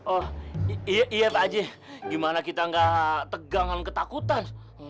oh iya pak aji gimana kita gak tegang hal ketakutan